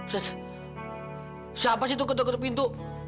zed siapa sih itu ketuk ketuk pintu